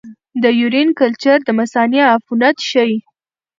د یورین کلچر د مثانې عفونت ښيي.